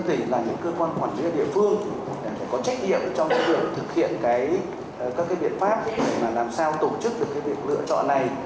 còn với địa phương có trách nhiệm trong đó được thực hiện các cái biện pháp để làm sao tổ chức được cái việc lựa chọn này